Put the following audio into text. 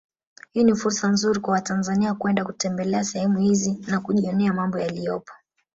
Hii ni fursa nzuri kwa watanzania kwenda kutembelea sehemu hizi na kujionea mambo yaliyopo